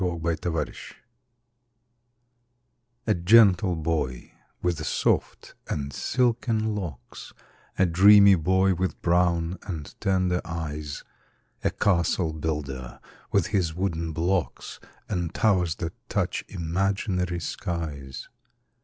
THE CASTLE BUILDER A gentle boy, with soft and silken locks A dreamy boy, with brown and tender eyes, A castle builder, with his wooden blocks, And towers that touch imaginary skies.